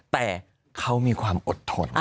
แต่เขามีความอดทน